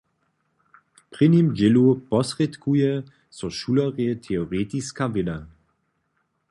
W prěnim dźělu posrědkuje so šulerjej teoretiska wěda.